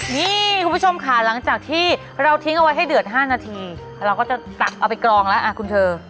นี่คุณผู้ชมค่ะหลังจากที่เราทิ้งเอาไว้ให้เดือด๕นาทีเราก็จะตักเอาไปกรองแล้วคุณเธอ